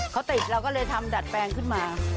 เขาติดเราก็เลยทำดัดแปลงขึ้นมา